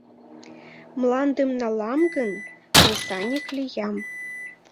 Мландым налам гын, кресаньык лиям.